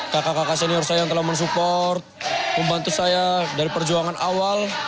kakak kakak senior saya yang telah mensupport membantu saya dari perjuangan awal